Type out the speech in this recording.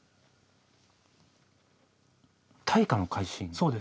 大化の改新。